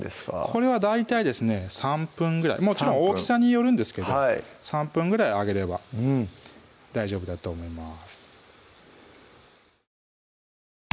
これは大体ですね３分ぐらいもちろん大きさによるんですけど３分ぐらい揚げれば大丈夫だと思います